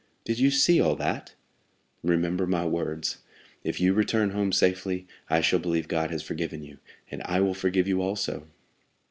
"Did you see all that?" "Remember my words: 'If you return home safely, I shall believe God has forgiven you, and I will forgive you also.